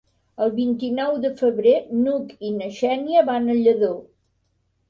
El vint-i-nou de febrer n'Hug i na Xènia van a Lladó.